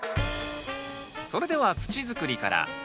それでは土づくりから。